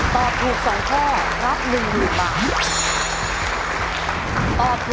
ตอบถูก๒ข้อรับ๑๐๐๐บาท